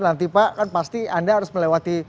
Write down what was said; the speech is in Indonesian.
nanti pak kan pasti anda harus melewati